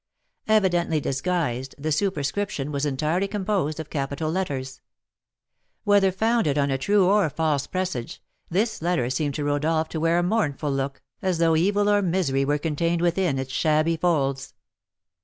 Evidently disguised, the superscription was entirely composed of capital letters. Whether founded on a true or false presage, this letter seemed to Rodolph to wear a mournful look, as though evil or misery were contained within its shabby folds.